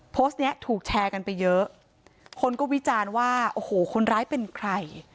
โพสต์เนี้ยถูกแชร์กันไปเยอะคนก็วิจารณ์ว่าโอ้โหคนร้ายเป็นใคร